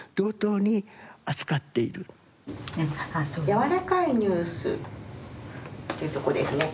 「柔らかいニュース」というとこですね。